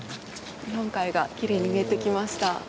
日本海がきれいに見えてきました。